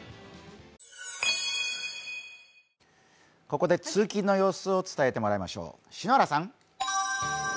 ここで通勤の様子を伝えてもらいましょう。